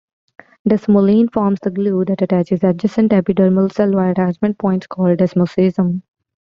Desmoglein forms the "glue" that attaches adjacent epidermal cells via attachment points called desmosomes.